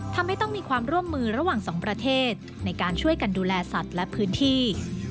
ทำให้ต้องมีความร่วมมือระหว่างสองประเทศในการช่วยกันดูแลสัตว์และพื้นที่